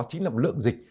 chính là lượng dịch